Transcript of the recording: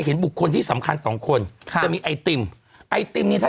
เห็นบุคคลที่สำคัญสองคนค่ะจะมีไอติมไอติมเนี่ยถ้า